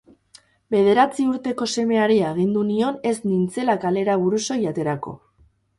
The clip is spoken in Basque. Bederatzi urteko semeari agindu nion ez nintzela kalera burusoil aterako.